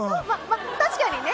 確かにね。